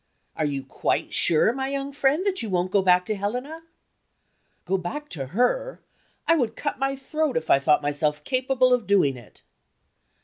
"Are you quite sure, my young friend, that you won't go back to Helena?" "Go back to her? I would cut my throat if I thought myself capable of doing it!"